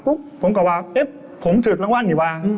ปุ๊บผมก็ว่าเฮ้นผมถึกละหวันเดี๋ยวป้ะ